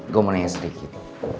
gue mau nanya sedikit